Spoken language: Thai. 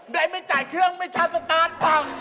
แดดไม่จ่ายเครื่องไม่ชัดสตาร์ทผ่ำแอ